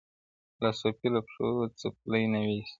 لا صوفي له پښو څپلۍ نه وې ایستلې-